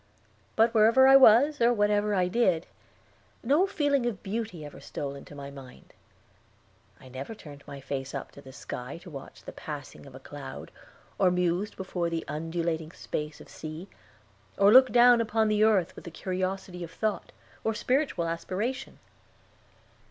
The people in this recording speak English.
But wherever I was, or whatever I did, no feeling of beauty ever stole into my mind. I never turned my face up to the sky to watch the passing of a cloud, or mused before the undulating space of sea, or looked down upon the earth with the curiosity of thought, or spiritual aspiration.